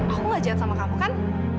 aku gak jahat sama kamu kan